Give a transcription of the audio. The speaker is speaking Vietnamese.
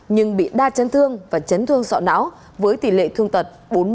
nhưng bị đa chấn thương và chấn thương sọ não với tỉ lệ thương tật bốn mươi tám